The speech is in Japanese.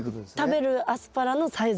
食べるアスパラのサイズ。